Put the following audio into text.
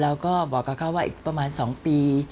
แล้วก็บอกนะคะว่าอย่างนี้ประมาณสองปี